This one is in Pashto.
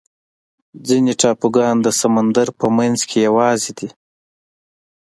ځینې ټاپوګان د سمندر په منځ کې یوازې دي.